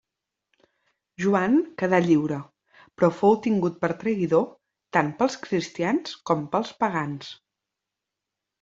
Joan quedà lliure, però fou tingut per traïdor tant pels cristians com pels pagans.